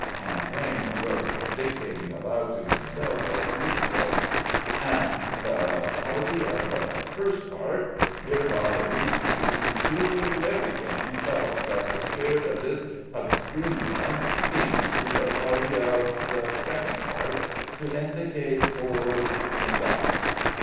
And Crayme wrote, dictating aloud to himself as he did so, "And the party of the first part hereby agrees to do everything else that the spirit of this agreement seems to the party of the second part to indicate or imply."